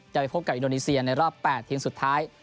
ไปพบกับอินโดนีเซียในรอบ๘ทีมสุดท้าย